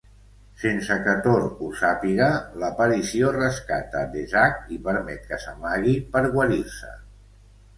Sense que Thor ho sàpiga, l'aparició rescata Desak i permet que s'amagui per guarir-se.